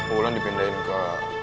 wulan dipindahin ke